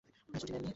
ছুটি নেন নি।